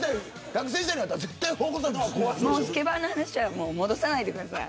スケバンの話は戻さないでください。